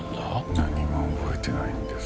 何も覚えてないんです。